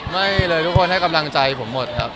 ไม่เลยทุกคนให้กำลังใจผมหมดครับ